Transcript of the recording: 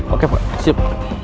oke pak siap